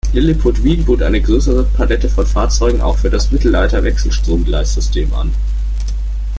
Liliput Wien bot eine größere Palette von Fahrzeugen auch für das Mittelleiter-Wechselstrom-Gleissystem an.